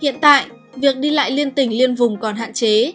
hiện tại việc đi lại liên tỉnh liên vùng còn hạn chế